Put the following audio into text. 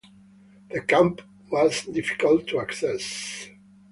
The camp was difficult to access.